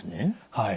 はい。